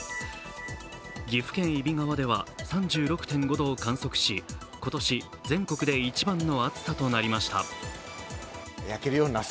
岐阜県揖斐川では３６．５度を観測し今年全国で一番の暑さとなりました。